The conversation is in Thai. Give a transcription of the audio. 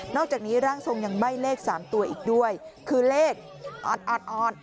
นอกจากนี้ร่างทรงยังใบ้เลขสามตัวอีกด้วยคือเลขอ่อนอ่อนอ่อน